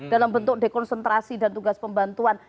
dalam bentuk dekonsentrasi dan tugas pembantuan